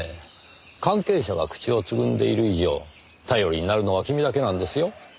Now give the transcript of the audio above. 関係者が口をつぐんでいる以上頼りになるのは君だけなんですよ。